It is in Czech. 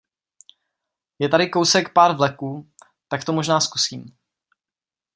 Je tady kousek pár vleků, tak to možná zkusím.